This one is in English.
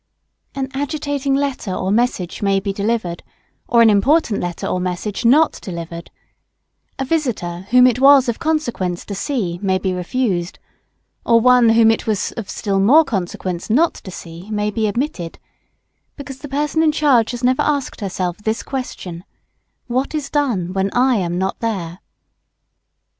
] An agitating letter or message may be delivered, or an important letter or message not delivered; a visitor whom it was of consequence to see, may be refused, or whom it was of still more consequence to not see may be admitted because the person in charge has never asked herself this question, What is done when I am not there?